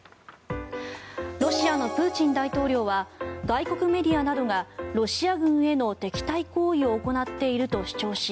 ロシアのプーチン大統領は外国メディアなどがロシア軍への敵対行為を行っていると主張し